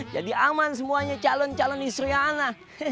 jadi aman semuanya calon calon istri ana